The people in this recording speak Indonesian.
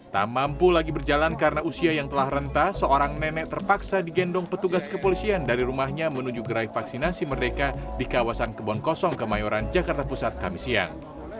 tak mampu lagi berjalan karena usia yang telah rentah seorang nenek terpaksa digendong petugas kepolisian dari rumahnya menuju gerai vaksinasi merdeka di kawasan kebon kosong kemayoran jakarta pusat kamisian